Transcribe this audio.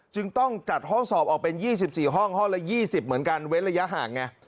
จึงต้องจัดห้องสอบออกเป็น๒๔ห้องห้องละ๒๐เหมือนกันเว้นระยะห่างไง